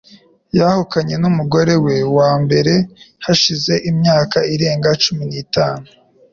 yahukanye n'umugore we wa mbere hashize imyaka irenga cumi n'itanu.